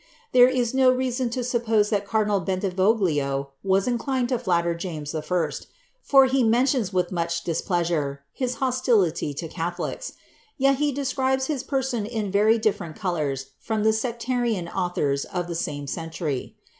There is no reason to suppose that Cardinal Bentivoglio was inclined to flatter James I., for he mentions, with much displeasure, his hostility to catho lics ; yet he describes his person in very different colours from the sec tarian authors of the same century.